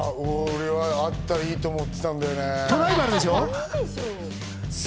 俺はあったらいいと思ってたんだよね。